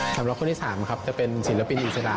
สำหรับคนที่๓ครับจะเป็นศิลปินอิสระ